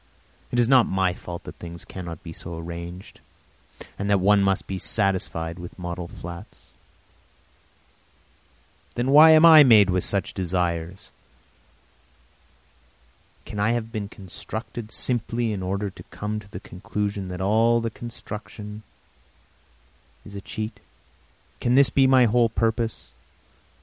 It is not my fault that things cannot be so arranged, and that one must be satisfied with model flats. Then why am I made with such desires? Can I have been constructed simply in order to come to the conclusion that all my construction is a cheat? Can this be my whole purpose?